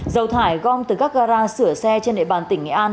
dầu thải gom từ các gara sửa xe trên địa bàn tỉnh nghệ an